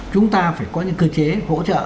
chúng ta phải có những cơ chế hỗ trợ